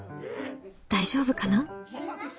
大丈夫かな？